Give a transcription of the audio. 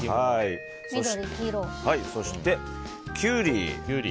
そして、キュウリ。